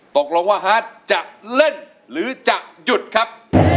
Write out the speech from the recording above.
ตกลงว่าฮาร์ดจะเล่นหรือจะหยุดครับ